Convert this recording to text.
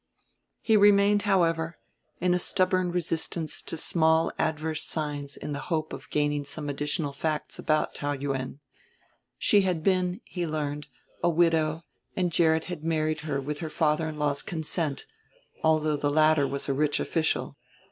He remained, however, in a stubborn resistance to small adverse signs in the hope of gaining some additional facts about Taou Yuen. She had been, he learned, a widow and Gerrit had married her with her father in law's consent although the latter was a rich official.